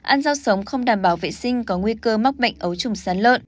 ăn rau sống không đảm bảo vệ sinh có nguy cơ mắc bệnh ấu trùng sán lợn